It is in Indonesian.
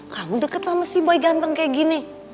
kamu deket sama si bayi ganteng kayak gini